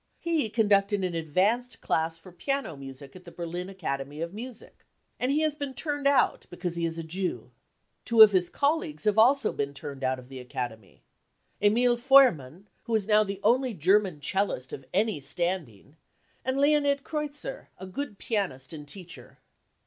He conducted an advanced class for piano music at the Berlin Academy of Music ; and he has been turned out because he is a Jew. Two of his colleagues have also beer*, turned out of the Academy : Emil Feuermann, who is now the only German 'cellist of any standing, and Leonid Ki^eutzer, a good pianist and teacher.